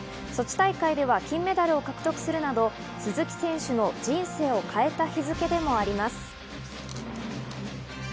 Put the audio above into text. ソチ大会では金メダルを獲得するなど、鈴木選手の人生を変えた日付でもあります。